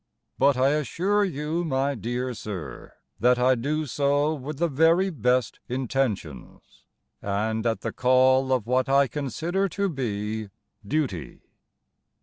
But I assure you, my dear sir, That I do so with the very best intentions, And at the call of what I consider to be duty.